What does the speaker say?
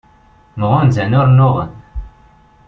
Mɣunzan ur nnuɣen.